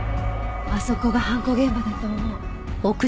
あそこが犯行現場だと思う。